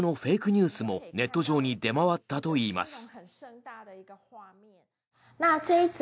ニュースもネット上に出回ったといいます。